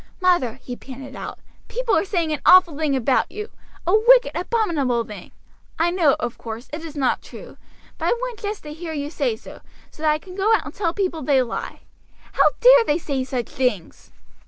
"Mother," he panted out, "people are saying an awful thing about you, a wicked, abominable thing. I know, of course, it is not true, but I want just to hear you say so, so that I can go out and tell people they lie. How dare they say such things!"